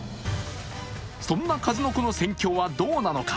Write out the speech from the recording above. そんな数の子の戦況はどうなのか。